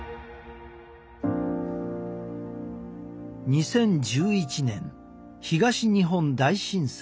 ２０１１年東日本大震災。